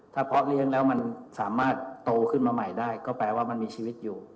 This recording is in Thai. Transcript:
เพราะเลี้ยงแล้วมันสามารถโตขึ้นมาใหม่ได้ก็แปลว่ามันมีชีวิตอยู่